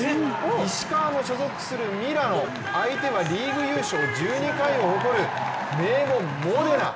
石川の所属するミラノ相手はリーグ優勝１２回を誇る名門・モデナ。